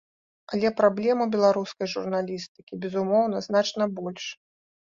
Але праблем у беларускай журналістыкі, безумоўна, значна больш.